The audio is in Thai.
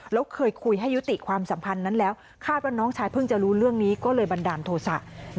แล้วเคยคุยให้ยุติความสัมพันธ์นั้นแล้วคาดว่าน้องชายเพิ่งจะรู้เรื่องนี้ก็เลยบันดาลโทษะ